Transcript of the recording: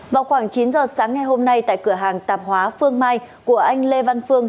vào khoảng chín giờ sáng ngày hôm nay tại cửa hàng tạp hóa phương mai của anh lê văn phương